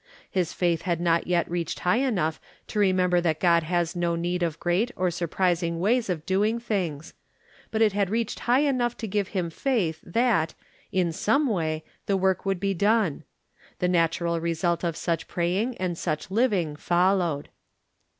His faith had not yet reached high enough to remember that God has no need of great or surprising ways of doing things ; but it had reached high enough to give him faith that, in some way, the work would be done. The natural result of such praying and such living followed.